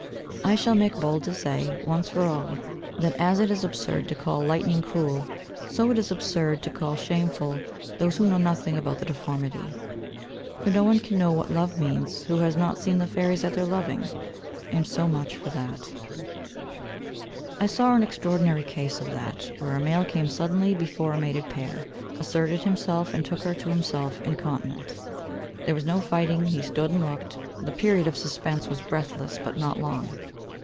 I shall make bold to say once for all that as it is absurd to call the lightning cruel, so it is absurd to call shameful those who know nothing about the deformity. No one can know what love means who has not seen the fairies at their loving and so much for that. [Footnote 12: I saw an extraordinary case of that, where a male came suddenly before a mated pair, asserted himself and took her to himself incontinent. There was no fighting. He stood and looked. The period of suspense was breathless but not long.